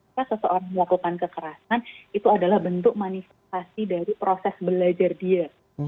ketika seseorang melakukan kekerasan itu adalah bentuk manifestasi dari proses belajar dia